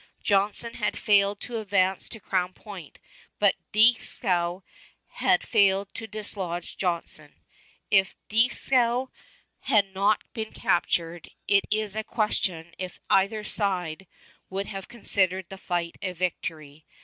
Johnson had failed to advance to Crown Point, but Dieskau had failed to dislodge Johnson. If Dieskau had not been captured, it is a question if either side would have considered the fight a victory.